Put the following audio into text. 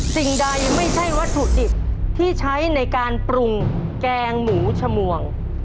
สิ่งใดไม่ใช่วัตถุดิบที่ใช้ในการปรุงแกงหมูชมวง